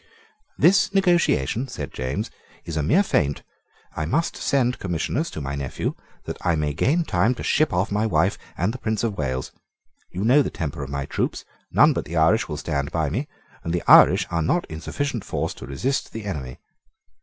"This negotiation," said James, "is a mere feint. I must send commissioners to my nephew, that I may gain time to ship off my wife and the Prince of Wales. You know the temper of my troops. None but the Irish will stand by me; and the Irish are not in sufficient force to resist the enemy.